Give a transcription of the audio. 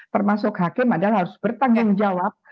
termasuk hakim adalah harus bertanggung jawab